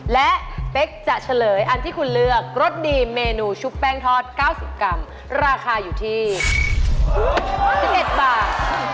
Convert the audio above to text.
และเป๊กจะเฉลยอันที่คุณเลือกรสดีเมนูชุบแป้งทอด๙๐กรัมราคาอยู่ที่๑๑บาท